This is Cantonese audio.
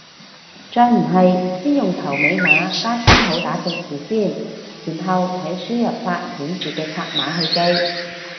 再唔係先用頭尾碼加星號打隻字先，然後睇輸入法顯示嘅拆碼去記